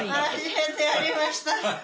初めてやりました。